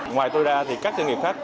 ngoài tôi ra thì các doanh nghiệp khác